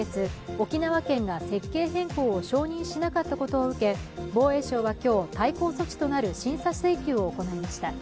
沖縄県が設計変更を承認しなかったことを受け防衛省は今日、対抗措置となる審査請求を行いました。